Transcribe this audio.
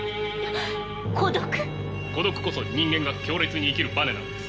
孤独こそ人間が強烈に生きるバネなのです。